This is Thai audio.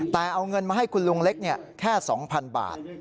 แต่เอาเงินมาให้คุณลุงเล็กแค่๒๐๐๐บาท